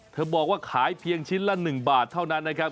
บอกว่าขายเพียงชิ้นละ๑บาทเท่านั้นนะครับ